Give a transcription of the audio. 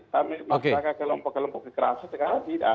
tapi masyarakat kelompok kelompok di kerasa sekarang tidak